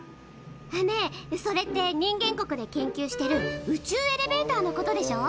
ねえそれって人間国で研究してる宇宙エレベーターのことでしょ？